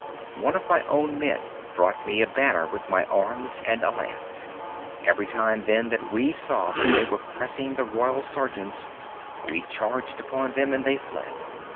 One of my own men brought me a banner with my arms and a lance. Every time then that we saw that they were pressing the Royal Sergeants we charged upon them and they fled.